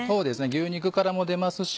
牛肉からも出ますし